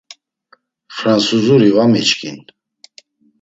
Fransuzuri va miçkin